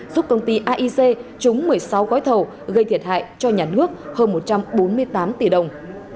giúp công ty aic trúng một mươi sáu gói thầu gây thiệt hại cho nhà nước hơn một trăm bốn mươi tám tỷ đồng